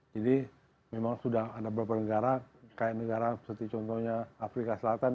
memang sudah ada beberapa negara kayak negara seperti contohnya afrika selatan